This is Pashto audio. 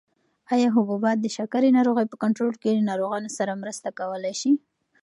ایا حبوبات د شکرې ناروغۍ په کنټرول کې له ناروغانو سره مرسته کولای شي؟